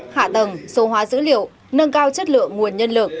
hạ tầng số hóa dữ liệu nâng cao chất lượng nguồn nhân lực